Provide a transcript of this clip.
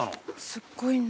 すっごいね。